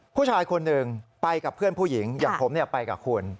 ผู้ชายคนหนึ่งไปกับเพื่อนผู้หญิงอย่างผมไปกับคุณ